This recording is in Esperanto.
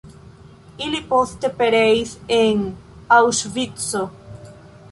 Ili poste pereis en Aŭŝvico.